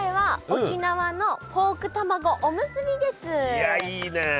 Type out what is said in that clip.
いやいいね。